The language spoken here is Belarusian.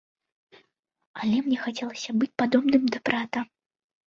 Але мне хацелася быць падобным да брата.